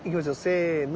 せの。